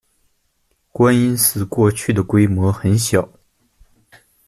观音寺过去的规模很小。